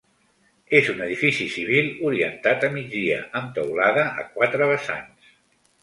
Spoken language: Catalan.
És un edifici civil orientat a migdia amb teulada a quatre vessants.